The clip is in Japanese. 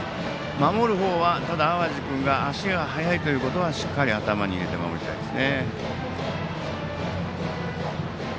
守る方は、淡路君が足が速いことをしっかり頭に入れて守りたいです。